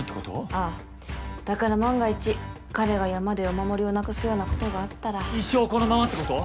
ああだから万が一彼が山でお守りをなくすようなことがあったら一生このままってこと？